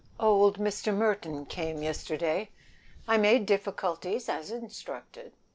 "Old Mr. Merton came yesterday. I made difficulties as instructed.